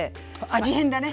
味変だね。